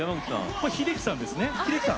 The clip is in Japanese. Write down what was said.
これ秀樹さんですね。